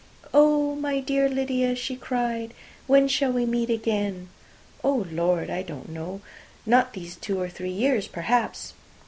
"Oh, my dear Lydia," she cried, "when shall we meet again?" "Oh, Lord! I don't know. Not these two or three years, perhaps."